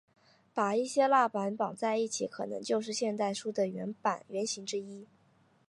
把一些蜡板绑在一起可能就是现代书的原型之一。